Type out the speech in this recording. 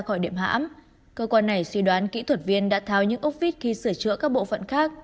khỏi điểm hãm cơ quan này suy đoán kỹ thuật viên đã tháo những ốc vít khi sửa chữa các bộ phận khác